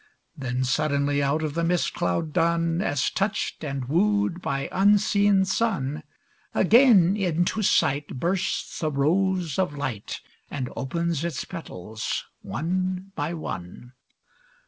Then suddenly out of the mist cloud dun, As touched and wooed by unseen sun, Again into sight bursts the rose of light And opens its petals one by one.